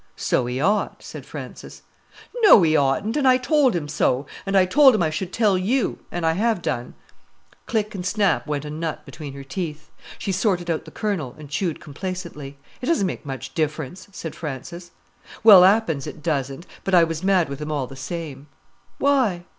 "So he ought," said Frances. "No, he oughtn't! and I told him so. And I told him I should tell you—an' I have done." Click and snap went a nut between her teeth. She sorted out the kernel, and chewed complacently. "It doesn't make much difference," said Frances. "Well, 'appen it doesn't; but I was mad with him all the same." "Why?"